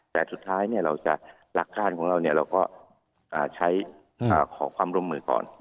แต่สุดท้ายหลักการของเราเราก็ใช้ขอความร่วมมือก่อน